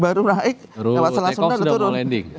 baru naik lewat selang sungai sudah turun